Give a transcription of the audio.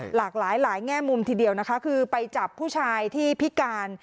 หลากหลายหลายแง่มุมทีเดียวนะคะคือไปจับผู้ชายที่พิการ